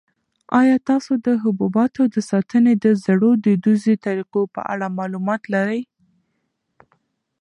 آیا تاسو د حبوباتو د ساتنې د زړو دودیزو طریقو په اړه معلومات لرئ؟